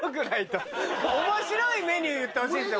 面白いメニュー言ってほしいんですよ